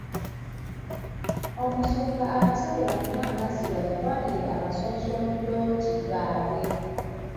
Omusumba abasabye bafune amazzi bagatwalire abasoosolodooti baabwe.